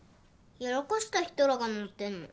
やらかした人らが載ってんの。